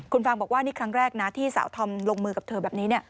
คุณฟางบอกว่านี่ครั้งแรกนะที่สาวธอมลงมือกับเธอแบบนี้